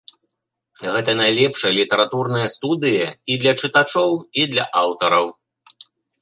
Гэта найлепшая літаратурная студыя і для чытачоў і для аўтараў.